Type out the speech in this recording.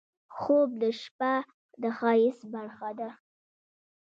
خوب د شپه د ښایست برخه ده